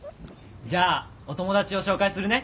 じゃあお友達を紹介するね。